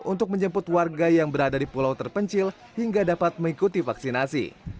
untuk menjemput warga yang berada di pulau terpencil hingga dapat mengikuti vaksinasi